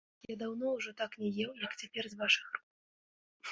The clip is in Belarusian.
Я даўно ўжо так не еў, як цяпер з вашых рук.